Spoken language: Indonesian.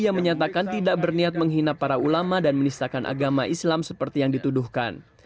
ia menyatakan tidak berniat menghina para ulama dan menistakan agama islam seperti yang dituduhkan